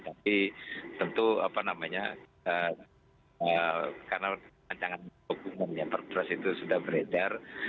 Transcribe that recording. tapi tentu apa namanya karena ancangan bumu yang perpustakaan itu sudah beredar